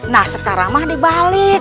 nah sekarang mah dibalik